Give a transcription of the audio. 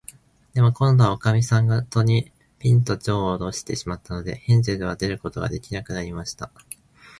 でも、こんどは、おかみさんが戸に、ぴんと、じょうをおろしてしまったので、ヘンゼルは出ることができなくなりました。